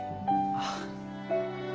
ああ。